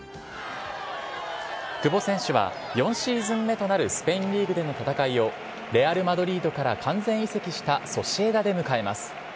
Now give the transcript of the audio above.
久保選手は４シーズン目となるスペインリーグでの戦いを、レアル・マドリードから完全移籍したソシエダで迎えます。